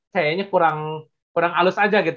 kayaknya kurang halus aja gitu